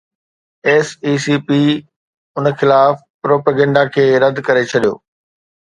S E C P ان خلاف propaganda کي رد ڪري ڇڏيو